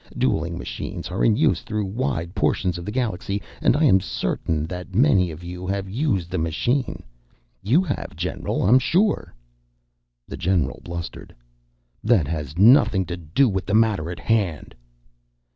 Dueling machines are in use through wide portions of the galaxy, and I am certain that many of you have used the machine. You have, general, I'm sure." The general blustered. "That has nothing to do with the matter at hand!"